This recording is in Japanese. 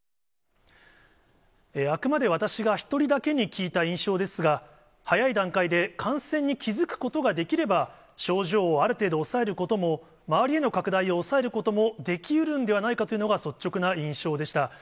あくまで私が１人だけに聞いた印象ですが、早い段階で感染に気付くことができれば、症状をある程度抑えることも、周りへの拡大を抑えることもできうるんではないかというのが率直な印象でした。